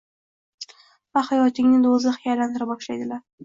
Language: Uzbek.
va hayotingni do‘zaxga aylantira boshlaydilar.